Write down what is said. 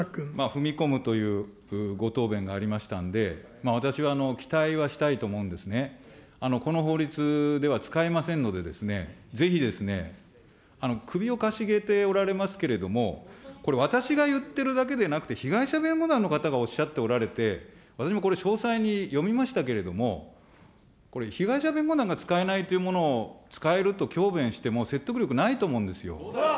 踏み込むというご答弁がありましたんで、私は期待はしたいと思うんですね、この法律では使えませんのでですね、ぜひ、首をかしげておられますけれども、これ、私が言ってるだけでなくて、被害者弁護団の方がおっしゃっておられて、私もこれ、詳細に読みましたけれども、これ、被害者弁護団が使えないというものを使えると強弁しても、説得力ないと思うんですよ。